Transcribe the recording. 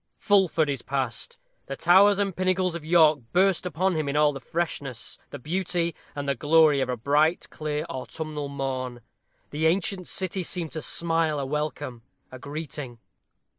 Fulford is past. The towers and pinnacles of York burst upon him in all the freshness, the beauty, and the glory of a bright, clear, autumnal morn. The ancient city seemed to smile a welcome a greeting.